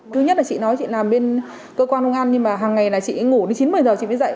thứ nhất là chị nói chị làm bên cơ quan công an nhưng mà hàng ngày là chị ngủ đến chín một mươi giờ chị mới dậy